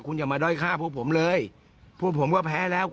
คุณอย่ามาด้อยฆ่าพวกผมเลยพวกผมก็แพ้แล้ว